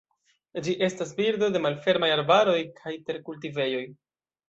Ĝi estas birdo de malfermaj arbaroj kaj terkultivejoj.